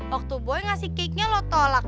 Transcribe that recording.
waktu boy ngasih cakenya lo tolak